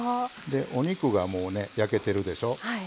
お肉が、もう焼けてるでしょう。